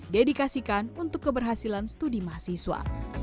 dedikasikan untuk keberhasilan studi mahasiswa